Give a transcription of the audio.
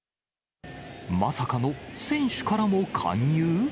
まさかの選手からも勧誘？